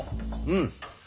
うん。